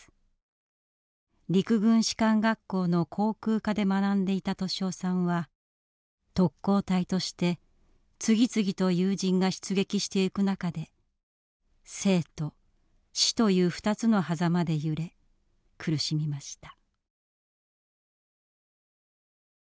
陸軍士官学校の航空科で学んでいた利雄さんは特攻隊として次々と友人が出撃していく中で生と死という二つのはざまで揺れ苦しみました。